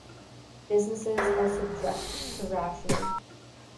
Businesses are subject to rationing.